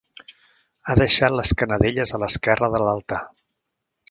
Ha deixat les canadelles a l'esquerra de l'altar.